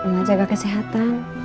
mak jaga kesehatan